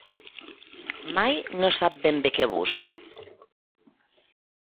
Mai no sap ben bé què busca.